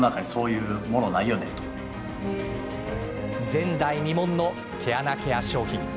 前代未聞の毛穴ケア商品。